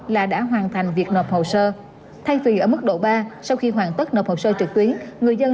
là đã hoàn thành việc nộp hồ sơ thay vì ở mức độ ba sau khi hoàn tất nộp hồ sơ trực tuyến người dân